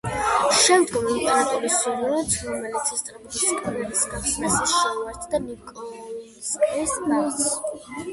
შემდგომ იმპერატორის სურვილით, რომელიც ესწრებოდა სკვერის გახსნას, ის შეუერთდა ნიკოლსკის ბაღს.